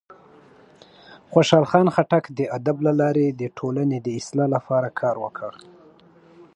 خوشحال خان خټک د ادب له لارې د ټولنې د اصلاح لپاره کار وکړ.